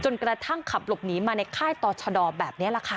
กระทั่งขับหลบหนีมาในค่ายต่อชะดอแบบนี้แหละค่ะ